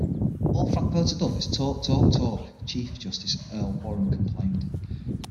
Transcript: "All Frankfurter does is talk, talk, talk," Chief Justice Earl Warren complained.